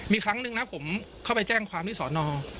มีครั้งหนึ่งนะผมเข้าไปแจ้งความที่สอนอ